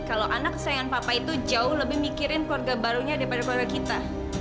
kalau anak sayang papa itu jauh lebih mikirin keluarga barunya daripada keluarga kita